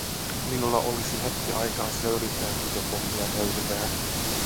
Minulla olisi hetki aikaa selvittää, miten pommia käytetään.